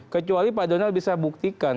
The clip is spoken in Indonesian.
kecuali pak donald bisa buktikan